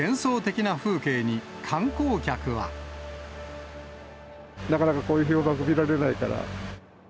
なかなかこういう氷瀑、見られないから。